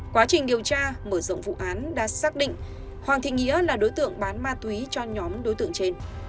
quá trình điều tra mở rộng vụ án đã xác định hoàng thị nghĩa là đối tượng bán ma túy cho nhóm đối tượng trên